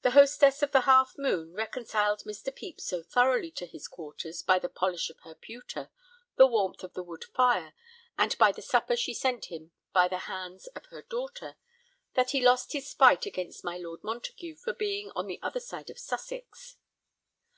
The hostess of "The Half Moon" reconciled Mr. Pepys so thoroughly to his quarters by the polish of her pewter, the warmth of the wood fire, and by the supper she sent him by the hands of her daughter, that he lost his spite against my Lord Montague for being on the other side of Sussex.